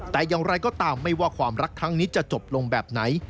แต่อย่างไรก็ตามไม่ว่าความรักครั้งนี้จะจบลงแบบไหน